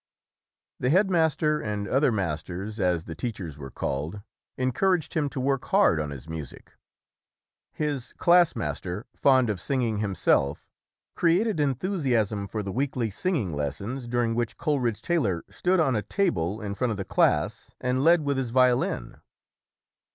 The headmaster and other masters, as the teachers were called, encouraged him to work hard on his music. His classmaster, fond of singing himself, created enthusiasm for the weekly sing ing lessons, during which Coleridge Taylor stood on a table in front of the class and led with his violin.